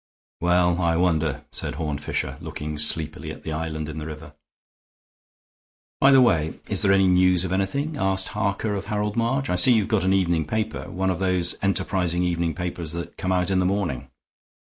"Well, I wonder," said Horne Fisher, looking sleepily at the island in the river. "By the way, is there any news of anything?" asked Harker of Harold March. "I see you've got an evening paper; one of those enterprising evening papers that come out in the morning."